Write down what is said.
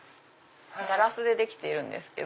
ガラスでできているんですけど。